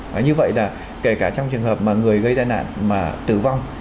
và như vậy là kể cả trong trường hợp mà người gây tai nạn mà tử vong